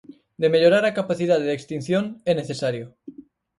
De mellorar a capacidade de extinción, é necesario.